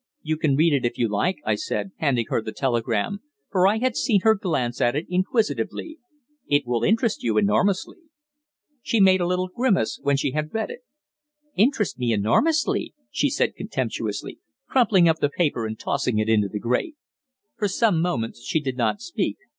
"You can read it if you like," I said, handing her the telegram, for I had seen her glance at it inquisitively. "It will interest you enormously." She made a little grimace when she had read it. "'Interest me enormously,'" she said contemptuously, crumpling up the paper and tossing it into the grate. For some moments she did not speak.